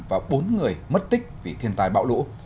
và bốn người mất tích vì thiên tai bão lũ